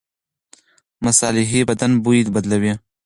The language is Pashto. مصالحې بدن بوی بدلوي.